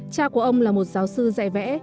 cha của ông là một giáo sư dạy vẽ